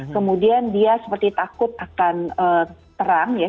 kemudian dia seperti takut akan terang ya